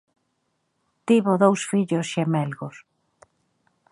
Tivo dous fillos xemelgos.